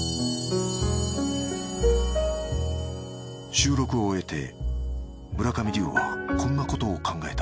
収録を終えて村上龍はこんなことを考えた